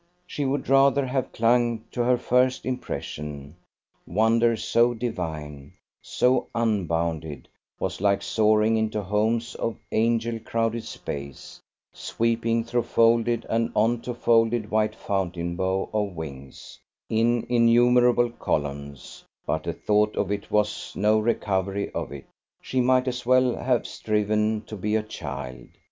She would rather have clung to her first impression: wonder so divine, so unbounded, was like soaring into homes of angel crowded space, sweeping through folded and on to folded white fountain bow of wings, in innumerable columns; but the thought of it was no recovery of it; she might as well have striven to be a child.